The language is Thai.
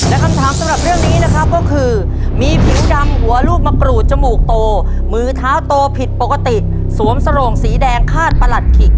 และคำถามสำหรับเรื่องนี้นะครับก็คือมีผิวดำหัวลูกมะกรูดจมูกโตมือเท้าโตผิดปกติสวมสโรงสีแดงคาดประหลัดขิก